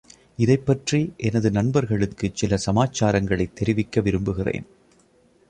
இதைப்பற்றி எனது நண்பர்களுக்குச் சில சமாச்சாரங்களைத் தெரிவிக்க விரும்புகிறேன்.